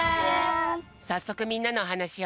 さっそくみんなのおはなしをきいてみよう。